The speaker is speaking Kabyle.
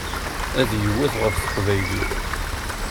Ad iwet ɣef teqbaylit.